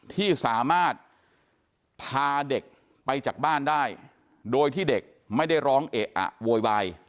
ที่สามารถพาเด็กไปจากบ้านได้โดยที่เด็กไม่ได้ร้องเอะอะโวยวาย